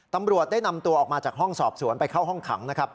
ตำรวจได้นำตัวออกมาจากห้องสอบสวนไปเข้าห้องขังนะครับ